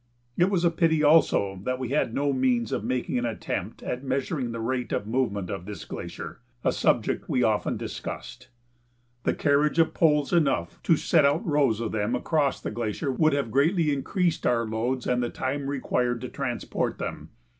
It was a pity, also, that we had no means of making an attempt at measuring the rate of movement of this glacier a subject we often discussed. The carriage of poles enough to set out rows of them across the glacier would have greatly increased our loads and the time required to transport them.